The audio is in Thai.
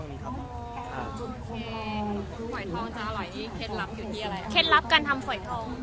โอเคขนมไทยจะอร่อยเคล็ดลับอยู่ที่อะไรเคล็ดลับกันทำขนมไทย